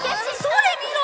それ見ろ！